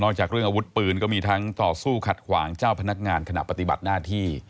จากเรื่องอาวุธปืนก็มีทั้งต่อสู้ขัดขวางเจ้าพนักงานขณะปฏิบัติหน้าที่